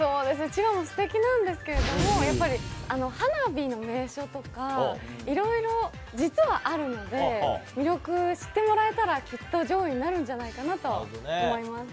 千葉もすてきなんですけれども、やっぱり、花火の名所とか、いろいろ実はあるので、魅力知ってもらえたら、きっと上位になるんじゃないかなと思います。